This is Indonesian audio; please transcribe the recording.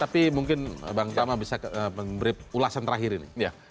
tapi mungkin bang tama bisa memberi ulasan terakhir ini